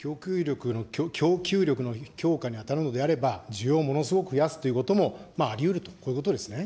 供給力の強化に当たるのであれば、需要をものすごく増やすということもありうると、こういうことですね。